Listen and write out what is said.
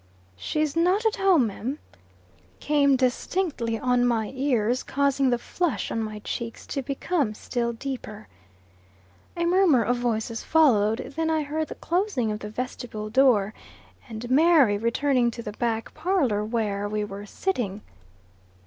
"She's not at home, mim," came distinctly on my ears, causing the flush on my cheeks to become still deeper. A murmur of voices followed. Then I heard the closing of the vestibule door, and Mary returning to the back parlor where we were sitting.